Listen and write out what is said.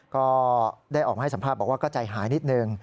ก็ได้ออกมาให้สัมภาษณ์บอกว่าก็ใจหายนิดนึง